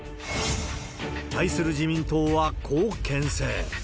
対する自民党はこうけん制。